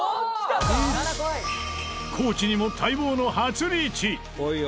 地にも待望の初リーチ！